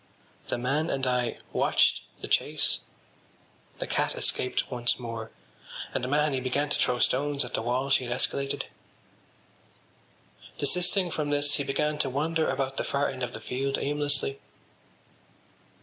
The man and I watched the chase. The cat escaped once more and Mahony began to throw stones at the wall she had escaladed. Desisting from this, he began to wander about the far end of the field, aimlessly.